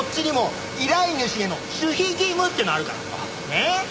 ねっ！